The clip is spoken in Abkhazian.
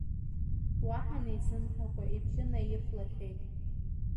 Уаҳа неизымҳәакәа ибжьы наихәлашәеит.